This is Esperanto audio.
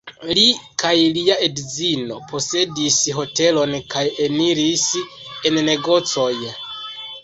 Li kaj lia edzino posedis hotelon kaj eniris en negocoj.